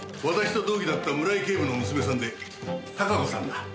私と同期だった村井警部の娘さんで貴子さんだ。